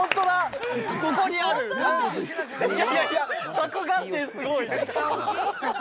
着眼点、すごい。